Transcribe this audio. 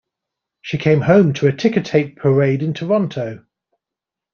She came home to a ticker tape parade in Toronto!